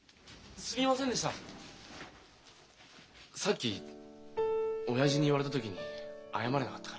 さっき親父に言われた時に謝れなかったから。